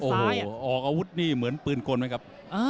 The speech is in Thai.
เป็นไงพี่ตีนซ้ายอ่ะออกอาวุธนี่เหมือนปืนกลไหมครับ